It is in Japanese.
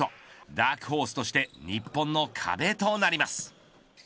ダークホースとして日本の壁となります。